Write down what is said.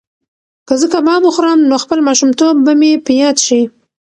که زه کباب وخورم نو خپل ماشومتوب به مې په یاد شي.